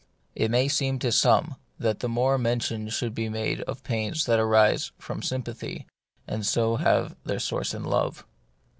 It may seem to some that more mention should be made of pains that arise from sym pathy, and so have their source in love.